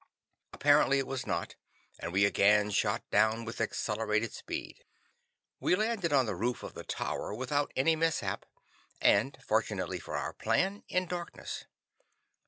Apparently it was not, and we again shot down with accelerated speed. We landed on the roof of the tower without any mishap, and fortunately for our plan, in darkness.